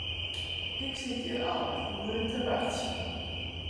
Ik sit hjir al in oere te wachtsjen.